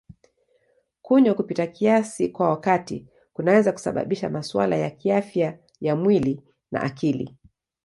Kunywa kupita kiasi kwa wakati kunaweza kusababisha masuala ya kiafya ya mwili na akili.